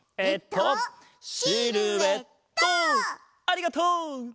ありがとう！